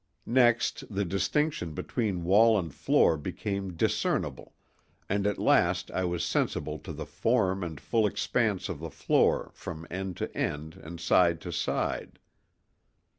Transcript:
Next, the distinction between wall and floor became discernible, and at last I was sensible to the form and full expanse of the floor from end to end and side to side.